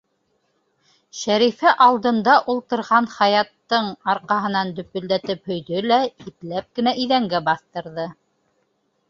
Шәрифә алдында ултырған Хаяттың арҡаһынан дөпөлдәтеп һөйҙө лә, ипләп кенә иҙәнгә баҫтырҙы.